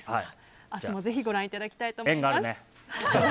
明日もぜひご覧いただきたいと思います。